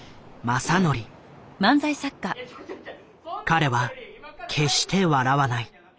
彼は決して笑わない。